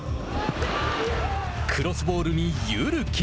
クロスボールに汰木。